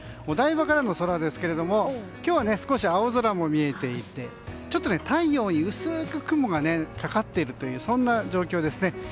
お台場からの空ですが今日は少し青空も見えていてちょっと太陽に薄く雲がかかっているというそんな状況ですね。